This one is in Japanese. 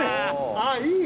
ああいい！